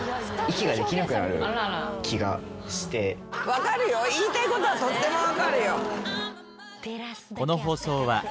分かるよ言いたいことはとっても分かるよ。